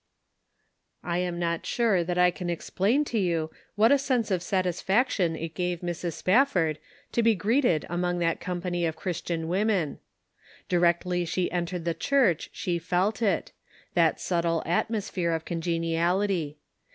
I am not sure that I .can explain to you what a sense of satisfaction it gave Mrs. Spafford to be greeted among that company of Christian women. Directly she entered the church she felt it — that subtle atmosphere of congeniality.